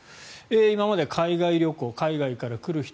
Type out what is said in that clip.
今まで海外旅行、海外から来る人